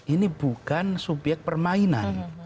ini bukan subyek permainan